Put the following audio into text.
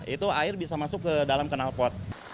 itu air bisa masuk ke dalam kanal pot